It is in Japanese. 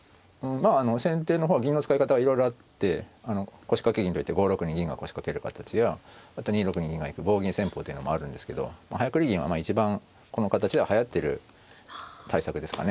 先手の方は銀の使い方がいろいろあって腰掛け銀といって５六に銀が腰掛ける形やまた２六に銀が行く棒銀戦法というのもあるんですけど早繰り銀は一番この形でははやってる対策ですかね。